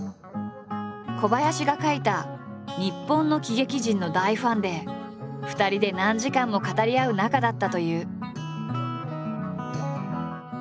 小林が書いた「日本の喜劇人」の大ファンで２人で何時間も語り合う仲だったという。